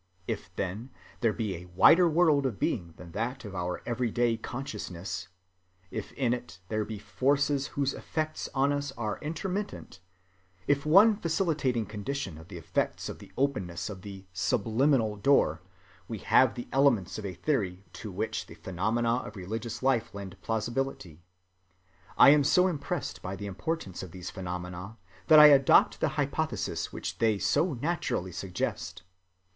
If, then, there be a wider world of being than that of our every‐day consciousness, if in it there be forces whose effects on us are intermittent, if one facilitating condition of the effects be the openness of the "subliminal" door, we have the elements of a theory to which the phenomena of religious life lend plausibility. I am so impressed by the importance of these phenomena that I adopt the hypothesis which they so naturally suggest.